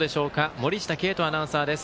森下桂人アナウンサーです。